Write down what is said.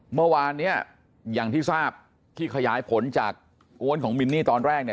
เมื่อวานเนี่ยอย่างที่ทราบที่ขยายผลจากอ้วนของมินนี่ตอนแรกเนี่ย